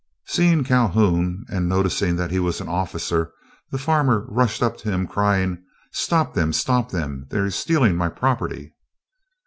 Seeing Calhoun, and noticing he was an officer, the farmer rushed up to him, crying, "Stop them! Stop them! they are stealing my property!"